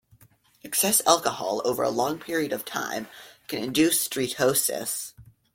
Excess alcohol over a long period of time can induce steatosis.